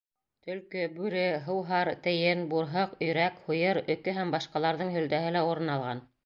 Төлкө, бүре, һыуһар, тейен, бурһыҡ, өйрәк, һуйыр, өкө һәм башҡаларҙың һөлдәһе лә урын алған.